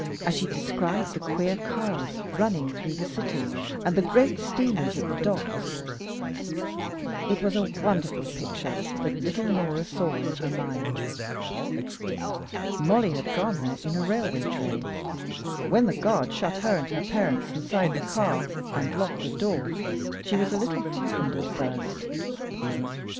As she described the queer cars running through the city, and the great steamers at the docks, it was a wonderful picture that little Norah saw in her mind. Mollie had gone there in a railway train. When the guard shut her and her parents inside the car and locked the door, she was a little frightened at first.